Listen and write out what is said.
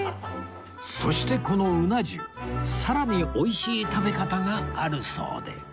そしてこのうな重さらに美味しい食べ方があるそうで